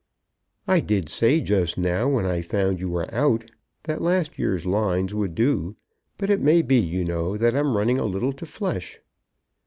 "I did say just now, when I found you were out, that last year's lines would do; but it may be, you know, that I'm running a little to flesh."